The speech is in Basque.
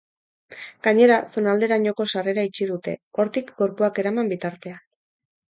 Gainera, zonalderainoko sarrera itxi dute, hortik gorpuak eraman bitartean.